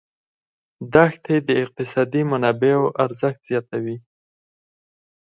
دښتې د اقتصادي منابعو ارزښت زیاتوي.